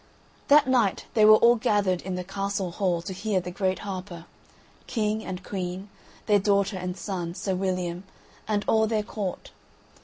That night they were all gathered in the castle hall to hear the great harper king and queen, their daughter and son, Sir William and all their Court.